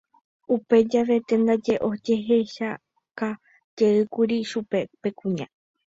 Upe javete ndaje ojehechaukajeýkuri chupe upe kuña